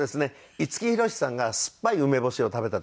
五木ひろしさんがすっぱい梅干しを食べたところを。